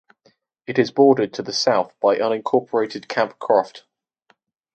It is bordered to the south by unincorporated Camp Croft.